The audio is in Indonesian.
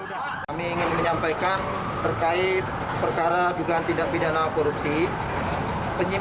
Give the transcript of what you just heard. kami ingin menyampaikan terkait perkara dugaan tindak pidana korupsi